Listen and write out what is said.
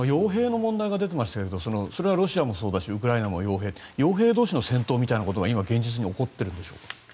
傭兵の問題が出ていましたけどそれはロシアもそうだしウクライナも傭兵傭兵同士の戦闘みたいなことが今、現実に起こっているんでしょうか。